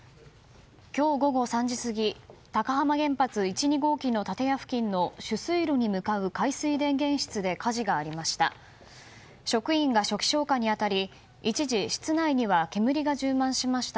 今日午後３時過ぎ高浜原発１・２号基の建屋付近の取水路に向かう海水電源室で火事がありました。